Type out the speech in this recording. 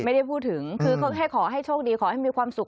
ไม่ได้พูดถึงคือเขาแค่ขอให้โชคดีขอให้มีความสุข